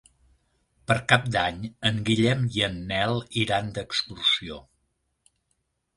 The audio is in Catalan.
Per Cap d'Any en Guillem i en Nel iran d'excursió.